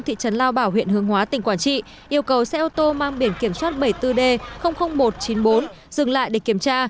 thị trấn lao bảo huyện hương hóa tỉnh quảng trị yêu cầu xe ô tô mang biển kiểm soát bảy mươi bốn d một trăm chín mươi bốn dừng lại để kiểm tra